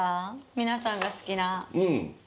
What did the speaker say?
皆さんが好きな。